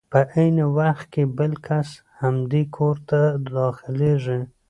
په عین وخت کې بل کس همدې کور ته داخلېږي.